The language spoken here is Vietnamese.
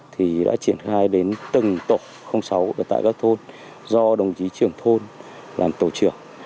thì đã triển khai đến từng tổ sáu ở tại các thôn do đồng chí trưởng thôn làm tổ trưởng